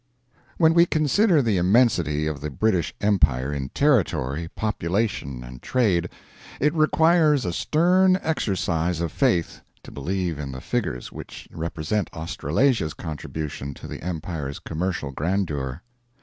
When we consider the immensity of the British Empire in territory, population, and trade, it requires a stern exercise of faith to believe in the figures which represent Australasia's contribution to the Empire's commercial grandeur.